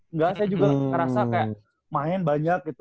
enggak saya juga ngerasa kayak main banyak gitu